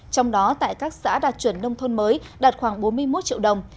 trong đó tại các xã đạt chuẩn nông thôn mới đạt khoảng bốn mươi một triệu đồng